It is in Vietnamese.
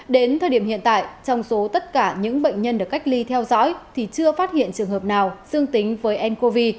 đến thời điểm hiện tại trong số tất cả những bệnh nhân được cách ly theo dõi thì chưa phát hiện trường hợp nào dương tính với ncov